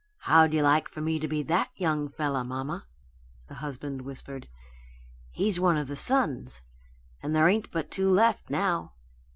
"How'd you like for me to be THAT young fella, mamma?" the husband whispered. "He's one of the sons, and there ain't but two left now."